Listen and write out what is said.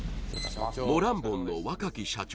モランボンの若き社長